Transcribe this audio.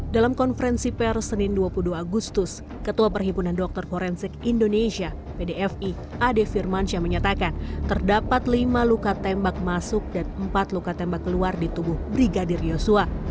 dalam konferensi per senin dua puluh dua agustus ketua perhimpunan dokter forensik indonesia pdfi ade firmansyah menyatakan terdapat lima luka tembak masuk dan empat luka tembak keluar di tubuh brigadir yosua